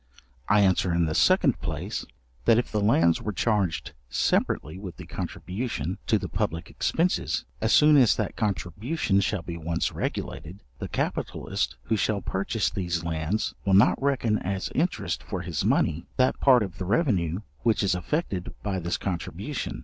I answer in the second place, that if the lands were charged separately with the contribution to the public expences, as soon as that contribution shall be once regulated, the capitalist who shall purchase these lands will not reckon as interest for his money, that part of the revenue which is affected by this contribution.